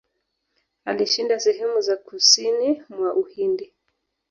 Alishinda sehemu za kusini mwa Uhindi.